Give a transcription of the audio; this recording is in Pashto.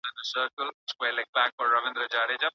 ټول پيغورونه بايد له منځه يوړل سي.